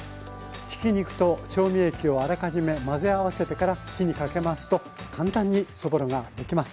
ひき肉と調味液をあらかじめ混ぜ合わせてから火にかけますと簡単にそぼろができます。